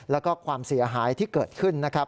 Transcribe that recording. แล้วก็ความเสียหายที่เกิดขึ้นนะครับ